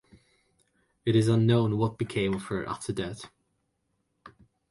It is unknown what became of her after that.